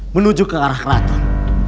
menuju ke arah kraton